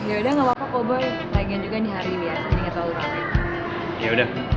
ya udah gapapa kok gue lagiin juga di hari biasa inget lo lo rame